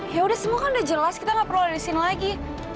ya udah semua kan udah jelas kita nggak perlu ada di sini lagi